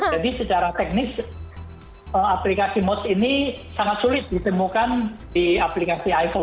jadi secara teknis aplikasi mods ini sangat sulit ditemukan di aplikasi android